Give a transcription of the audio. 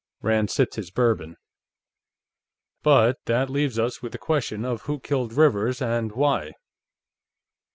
Rand sipped his Bourbon. "But that leaves us with the question of who killed Rivers, and why."